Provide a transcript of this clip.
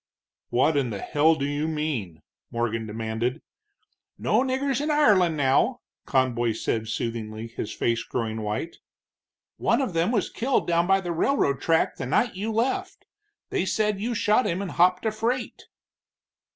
"What in the hell do you mean?" Morgan demanded. "No niggers in Ireland, now," Conboy said soothingly, his face growing white. "One of them was killed down by the railroad track the night you left. They said you shot him and hopped a freight."